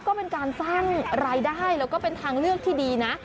ก็เป็นการสร้างรายได้แล้วก็เป็นทางเลือกที่ดีนะ